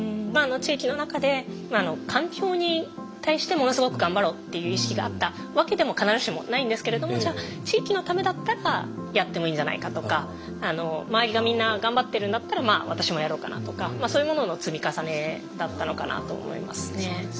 あの地域の中で環境に対してものすごく頑張ろうっていう意識があったわけでも必ずしもないんですけれどもじゃあ地域のためだったらやってもいいんじゃないかとか周りがみんな頑張ってるんだったらまあ私もやろうかなとかそういうものの積み重ねだったのかなと思いますね。